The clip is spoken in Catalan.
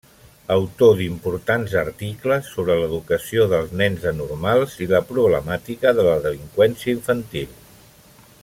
Autor d'importants articles sobre l'educació dels nens anormals i la problemàtica de la delinqüència infantil.